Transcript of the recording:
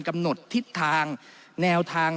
กำหนดทิศทางแนวทาง